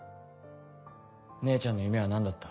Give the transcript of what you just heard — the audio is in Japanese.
姉ちゃんの夢は何だった？